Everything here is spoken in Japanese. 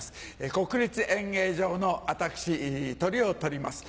国立演芸場の私トリをとります。